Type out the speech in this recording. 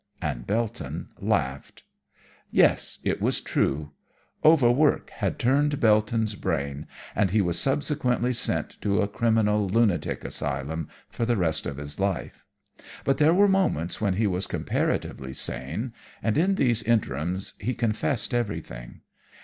And Belton laughed. "Yes, it was true; overwork had turned Belton's brain, and he was subsequently sent to a Criminal Lunatic Asylum for the rest of his life. But there were moments when he was comparatively sane, and in these interims he confessed everything.